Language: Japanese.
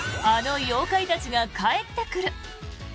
あの妖怪たちが帰ってくる！